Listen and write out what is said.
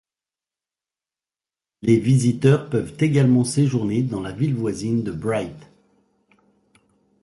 Les visiteurs peuvent également séjourner dans la ville voisine de Bright.